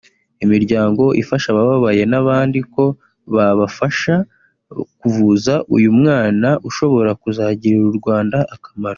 imiryango ifasha abababaye n’abandi ko babafasha kuvuza uyu mwana ushobora kuzagirira u Rwanda akamaro